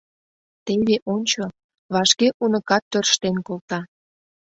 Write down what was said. Теве ончо, вашке уныкат тӧрштен колта...